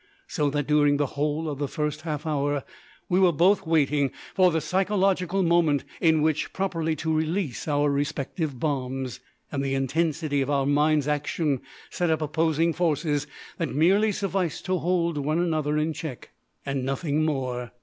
So that during the whole of the first half hour we were both waiting for the psychological moment in which properly to release our respective bombs; and the intensity of our minds' action set up opposing forces that merely sufficed to hold one another in check and nothing more.